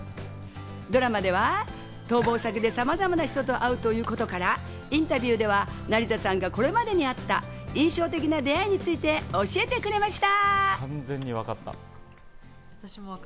ドラマでは逃亡先でさまざまな人と出会うということから、インタビューでは成田さんがこれまでにあった印象的な出会いについて教えてくれました。